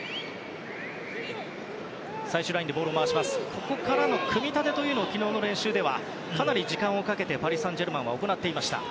ここからの組み立てを昨日の練習ではかなり時間をかけてパリ・サンジェルマンは行っていました。